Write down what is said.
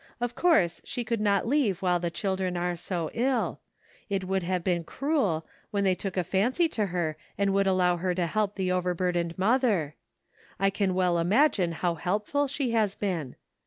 Of course she could not leave while the children are so ill. It would have been cruel, when they took a fancy to her and would allow her to help the over burdened mother ; I can well imagine how helpful she has been.